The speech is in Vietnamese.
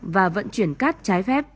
và vận chuyển cát trái phép